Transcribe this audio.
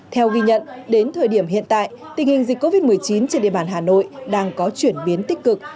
theo ghi nhận đến thời điểm hiện tại tình hình dịch covid một mươi chín trên địa bàn hà nội đang có chuyển biến tích cực